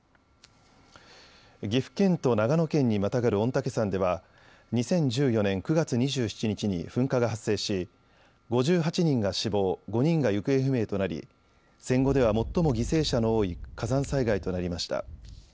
岐阜県と長野県にまたがる御嶽山では２０１４年９月２７日に噴火が発生し５８人が死亡、５人が行方不明となり戦後では最も犠牲者の多い火山災害となりました。